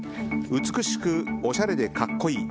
美しくおしゃれで格好いい